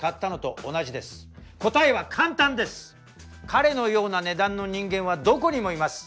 彼のような値段の人間はどこにもいます。